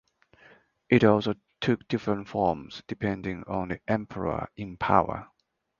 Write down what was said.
It also took different forms depending on the emperor in power.